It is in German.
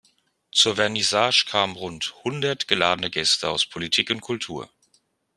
Zur Vernissage kamen rund hundert geladene Gäste aus Politik und Kultur.